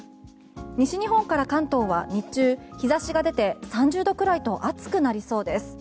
西日本から関東は日中、日差しが出て３０度くらいと暑くなりそうです。